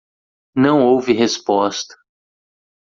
Não houve resposta.